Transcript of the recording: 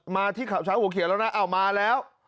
มาที่ข่าวเช้าหัวเขียวแล้วนะเอามาแล้ว